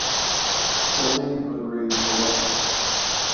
Saleem agrees reluctantly.